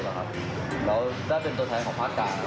แล้วได้เป็นตัวแทนของพระอาจารย์